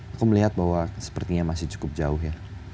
aku melihat bahwa sepertinya masih cukup jauh ya